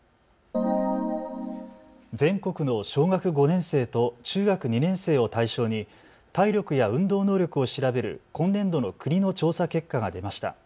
全国の小学５年生と中学２年生を対象に体力や運動能力を調べる今年度の国の調査結果が出ました。